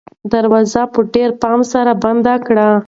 دروازه په ډېر پام سره بنده کړه.